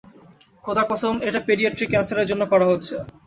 খোদার কসম, এটা পেডিয়াট্রিক ক্যান্সারের জন্য করা হচ্ছে।